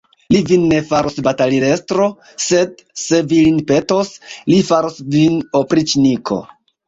Li vin ne faros batalilestro, sed, se vi lin petos, li faros vin opriĉniko.